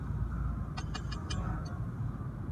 იგი პატრონობდა უამრავ მხატვარსა და მუსიკოსს.